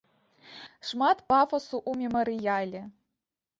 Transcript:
Шмат пафасу ў мемарыяле.